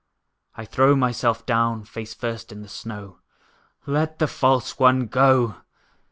I throw myself down, face first in the snow: "Let the false one go!"